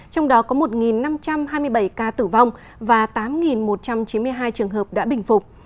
trong đó có một năm trăm hai mươi bảy ca tử vong và tám một trăm chín mươi hai trường hợp đã bình phục